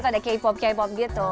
bukan itu ada k pop gitu